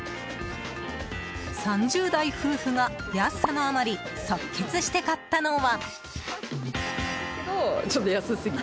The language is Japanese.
３０代夫婦が安さのあまり即決して買ったのは。